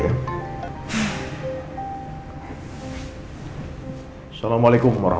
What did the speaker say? assalamualaikum wr wb